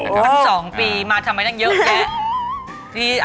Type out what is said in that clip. ทั้ง๒ปีมาทำไมตั้งเยอะแยะ